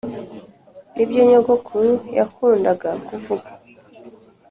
(nibyo nyogokuru yakundaga kuvuga)